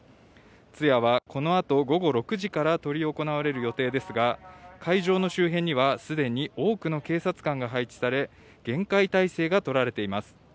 通夜はこのあと午後６時から執り行われる予定ですが、会場の周辺にはすでに、多くの警察官が配置され、厳戒態勢が取られています。